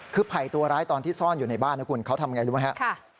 คือภัยตัวร้ายตอนที่ซ่อนอยู่ในบ้านเขาทำอย่างไรรู้ไหม